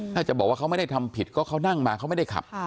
ถ้าจะบอกว่าเขาไม่ได้ทำผิดก็เขานั่งมาเขาไม่ได้ขับ